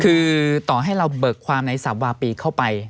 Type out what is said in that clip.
คือต่อให้เราเบิกความในสับวาปีเข้าไป